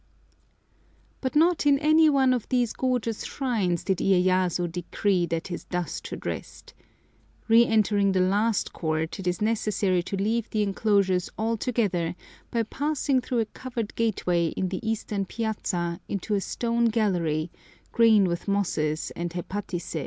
But not in any one of these gorgeous shrines did Iyéyasu decree that his dust should rest. Re entering the last court, it is necessary to leave the enclosures altogether by passing through a covered gateway in the eastern piazza into a stone gallery, green with mosses and hepaticæ.